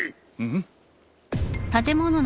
ん？